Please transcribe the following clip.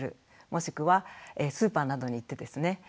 もしくはスーパーなどに行ってですね